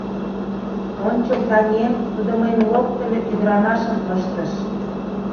Ончыл таҥем, тудо мыйым локтыльо... ӱдырамашым ыштыш...